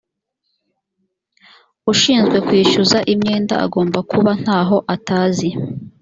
ushinzwe kwishyuza imyenda agomba kuba ntaho atazi